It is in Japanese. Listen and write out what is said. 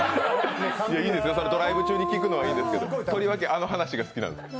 いいんですよ、ドライブ中に聴くのはいいんですけどとりわけ、あの話が好きなんですか。